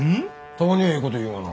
たまにはええこと言うがな。